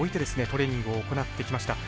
トレーニングを行ってきました。